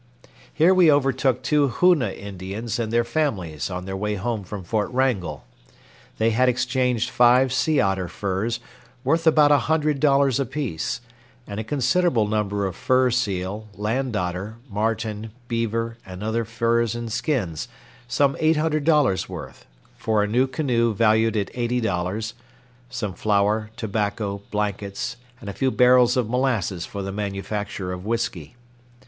Here we overtook two Hoona Indians and their families on their way home from Fort Wrangell. They had exchanged five sea otter furs, worth about a hundred dollars apiece, and a considerable number of fur seal, land otter, marten, beaver, and other furs and skins, some $800 worth, for a new canoe valued at eighty dollars, some flour, tobacco, blankets, and a few barrels of molasses for the manufacture of whiskey.